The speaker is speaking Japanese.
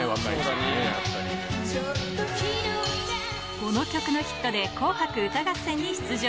この曲のヒットで、紅白歌合戦に出場。